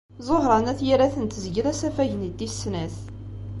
Ẓuhṛa n At Yiraten tezgel asafag-nni n tis snat.